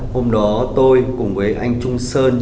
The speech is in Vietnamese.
hôm đó tôi cùng với anh trung sơn